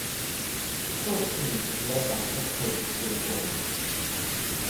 The current team is led by head coach Dave Dorman.